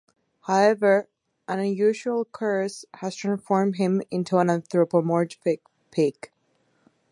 However, an unusual curse has transformed him into an anthropomorphic pig.